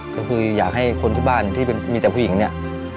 ก็คืออยากให้คนที่บ้านที่มีแต่ผู้หญิงเนี่ย